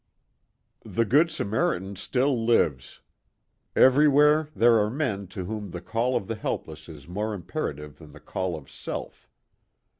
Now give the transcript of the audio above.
Good Samaritan still lives. Every where there are men to whom the call of the helpless is more imperative than the call of self.